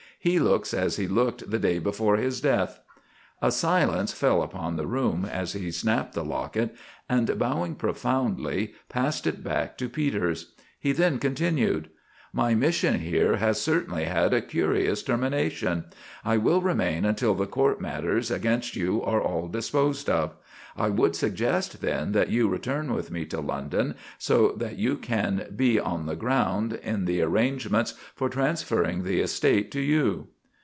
"He looks as he looked the day before his death." A silence fell upon the room, as he snapped the locket and, bowing profoundly, passed it back to Peters. He then continued: "My mission here has certainly had a curious termination. I will remain until the court matters against you are all disposed of. I would suggest then that you return with me to London, so that you can be on the ground in the arrangements for transferring the estate to you."